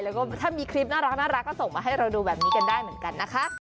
แล้วก็ถ้ามีคลิปน่ารักก็ส่งมาให้เราดูแบบนี้กันได้เหมือนกันนะคะ